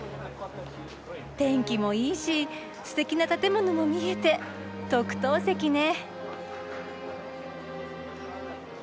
天気もいいしすてきな建物も見えて特等席ね。